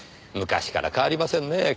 昔から変わりませんね